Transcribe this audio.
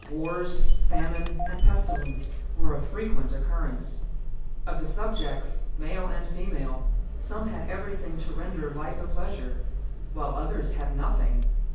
Wars, famine and pestilence were of frequent occurrence. Of the subjects, male and female, some had everything to render life a pleasure, while others had nothing.